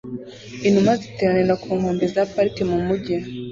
Inuma ziteranira ku nkombe za parike mu mujyi